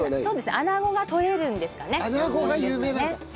穴子がとれるんですかね。